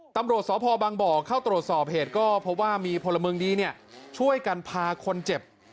ตำรวจสพบังบ่อเข้าตรวจสอบเหตุก็พบว่ามีพลเมืองดีเนี่ยช่วยกันพาคนเจ็บ